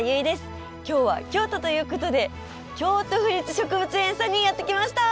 今日は京都ということで京都府立植物園さんにやって来ました。